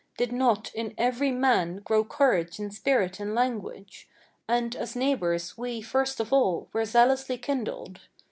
Did not, in every man, grow courage and spirit and language? And, as neighbors, we, first of all, were zealously kindled.